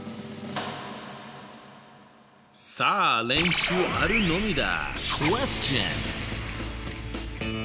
さあ練習あるのみだ！